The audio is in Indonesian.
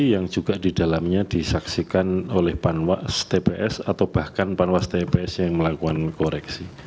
yang juga di dalamnya disaksikan oleh panwas tps atau bahkan panwas tps yang melakukan koreksi